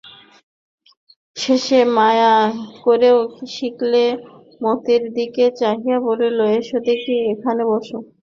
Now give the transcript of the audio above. শেষে মায়া করতেও শিখলে মতির দিকে চাহিয়া বলিল, এসো এদিকে, এখানে বোসো।